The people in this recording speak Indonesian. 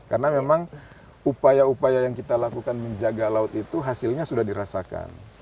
karena memang upaya upaya yang kita lakukan menjaga laut itu hasilnya sudah dirasakan